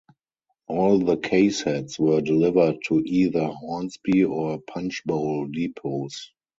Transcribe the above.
All the K sets were delivered to either Hornsby or Punchbowl depots.